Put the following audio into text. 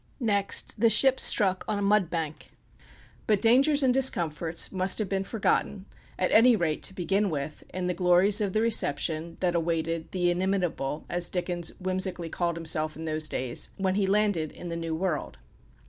Next the ship struck on a mud bank. But dangers and discomforts must have been forgotten, at any rate to begin with, in the glories of the reception that awaited the "inimitable," as Dickens whimsically called himself in those days, when he landed in the New World.